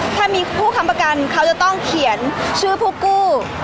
ถ้ามีผู้ค้ำประกันเขาจะต้องเขียนชื่อผู้กู้